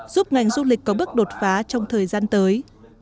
giúp ngành du lịch có bước đột phá trong thời gian tới